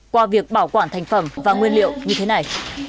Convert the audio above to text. qua việc bảo quản thành phẩm và nguyên liệu như thế này